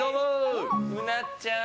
うなちゃん！